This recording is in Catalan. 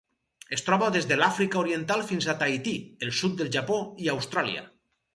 Es troba des de l'Àfrica Oriental fins a Tahití, el sud del Japó i Austràlia.